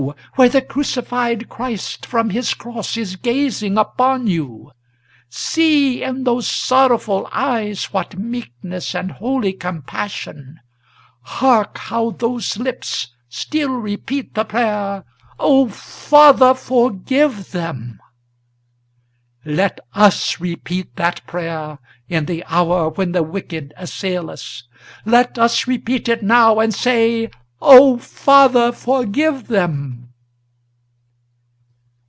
where the crucified Christ from his cross is gazing upon you! See! in those sorrowful eyes what meekness and holy compassion! Hark! how those lips still repeat the prayer, 'O Father, forgive them!' Let us repeat that prayer in the hour when the wicked assail us, Let us repeat it now, and say, 'O Father, forgive them!'"